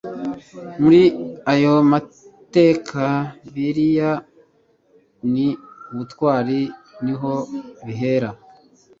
muri ayo mateka biriya ni ubutwari, niho bihera